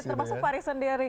termasuk faris sendiri